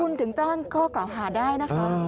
คุณถึงแจ้งข้อกล่าวหาได้นะคะ